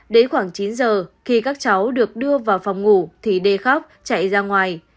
đến khoảng chín giờ khi các cháu được đưa vào phòng ngủ thì d khóc chạy ra ngoài